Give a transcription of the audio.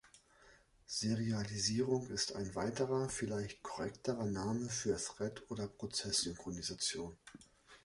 Serialisierung ist ein weiterer, vielleicht korrektere Name für Thread- oder Prozess-Synchronisation.